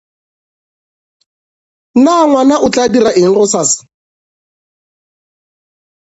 Na ngwana o tla dira eng gosasa?